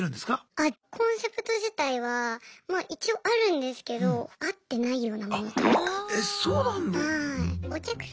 あコンセプト自体はまあ一応あるんですけどあって無いようなものというか。